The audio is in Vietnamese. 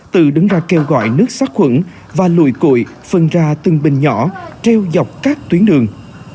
tự đứng ra kêu gọi nước sát khuẩn và lùi cội phân ra từng bình nhỏ treo dọc các tuyến đường